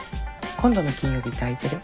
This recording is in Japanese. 今度の金曜日って空いてる？